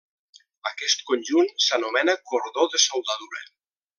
Aquest conjunt s'anomena cordó de soldadura.